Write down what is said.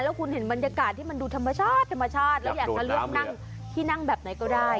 แล้วคุณเห็นบรรยากาศที่มันดูธรรมชาติธรรมชาติแล้วอยากจะเลือกนั่งที่นั่งแบบไหนก็ได้